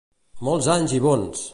Molts anys i bons!